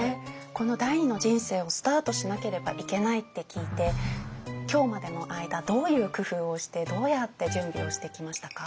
この第２の人生をスタートしなければいけないって聞いて今日までの間どういう工夫をしてどうやって準備をしてきましたか？